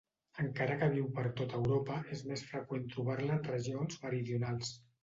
Encara que viu per tota Europa és més freqüent trobar-la en regions meridionals.